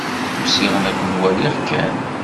Usiɣ-n ad ken-waliɣ kan.